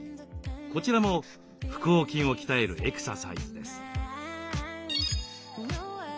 こちらも腹横筋を鍛えるエクササイズです。